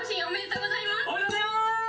おめでとうございます！